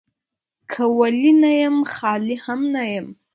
که ولي نه يم ، خالي هم نه يم.